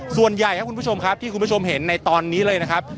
ส่วนใหญ่ครับคุณผู้ชมครับที่คุณผู้ชมเห็นในตอนนี้เลยนะครับ